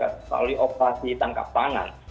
selalu operasi tangkap tangan